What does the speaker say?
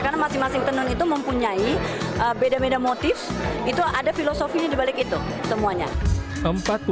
karena masing masing tenun itu mempunyai beda beda motif itu ada filosofi di balik itu semuanya